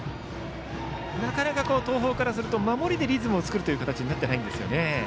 なかなか東邦からすると守りでリズムを作るとはなっていないんですよね。